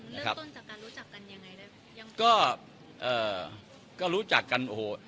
เริ่มต้นจากการรู้จักกันยังไงได้ไหมยังก็เอ่อก็รู้จักกันโอ้โห